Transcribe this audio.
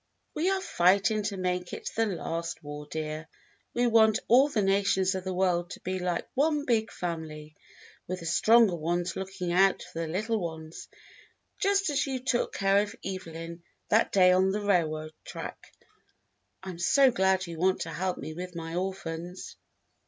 "We are fighting to make it the last war, dear. We want all the nations of the world to be like one big family, with the stronger ones looking out for the little ones, just as you took care of Evelyn that day on the railroad track. I'm so glad you want to help me with my orphans."